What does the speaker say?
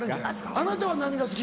あなたは何が好き？